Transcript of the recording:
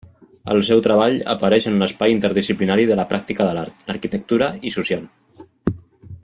El seu treball apareix en l'espai interdisciplinari de la pràctica de l'art, l'arquitectura i social.